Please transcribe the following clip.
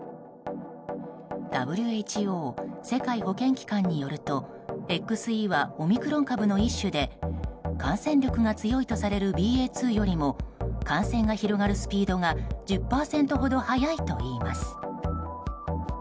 ＷＨＯ・世界保健機関によるとＸＥはオミクロン株の一種で感染力が強いとされるＢＡ．２よりも感染が広がるスピードが１０％ほど早いといいます。